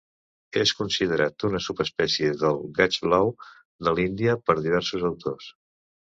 És considerat una subespècie del gaig blau de l'Índia per diversos autors.